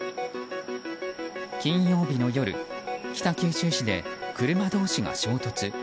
金曜日の夜北九州市で車同士が衝突。